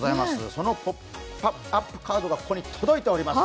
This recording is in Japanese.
そのポップアップカードがここに届いております。